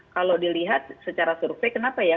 kalau dilihat secara survei kenapa ya